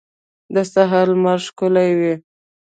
د سهار لمر ښکلی وي.